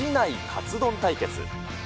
カツ丼対決。